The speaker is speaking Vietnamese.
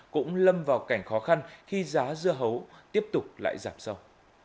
cũng lâm vào cảnh khó khăn khi giá dưa hấu tiếp tục lại giảm sâu